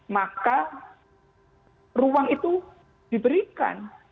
maka ruang itu diberikan